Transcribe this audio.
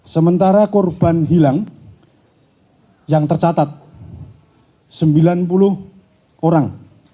sementara korban hilang yang tercatat sembilan puluh orang